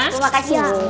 terima kasih bu